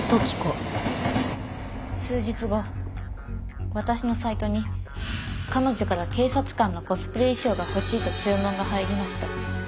数日後私のサイトに彼女から警察官のコスプレ衣装が欲しいと注文が入りました。